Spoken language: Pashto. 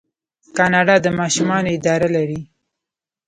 کاناډا د ماشومانو اداره لري.